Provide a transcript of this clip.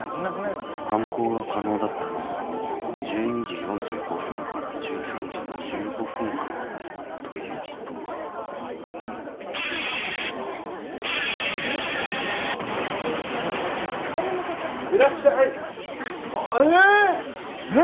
それ犯行が可能だったのは１２時４５分から１３時の１５分間ということかいらっしゃいえっ！